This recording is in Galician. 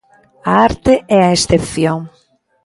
A arte é a excepción.